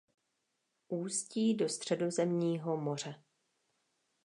Ústí do Středozemního moře.